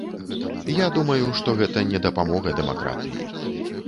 Я думаю, што гэта не дапамога дэмакратыі.